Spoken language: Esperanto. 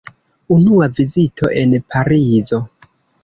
Unua vizito en Parizo.